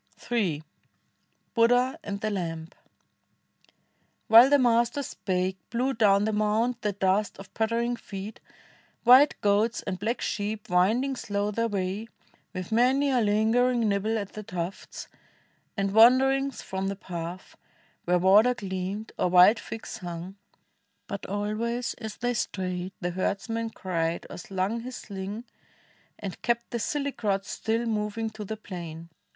Ill BUDDH.A. AXD THE LAilB While the Master spake Blew down the mount the dust of pattering feet, White goats and black sheep winding slow their way, With many a lingering nibble at the tufts, And wanderings from the path, where water gleamed Or wild figs hung. But always as they strayed The herdsman cried, or slung his sling, and kept The silly crowd still mo\'ing to the plain.